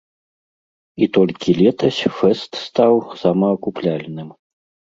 І толькі летась фэст стаў самаакупляльным.